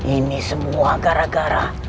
ini semua gara gara